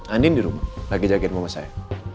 andin di rumah lagi jagain mama saya